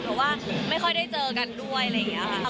เพราะว่าไม่ค่อยได้เจอกันด้วย